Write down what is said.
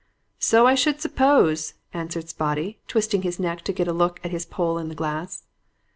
"'So I should suppose,' answered Spotty, twisting his neck to get a look at his poll in the glass.